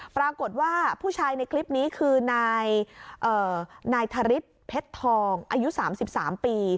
ปรากฏว่าผู้ชายในคลิปนี้คือนายธริสเพชรทองอายุ๓๓ปี